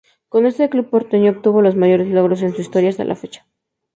Con este club porteño obtuvo los mayores logros en su historia, hasta la fecha.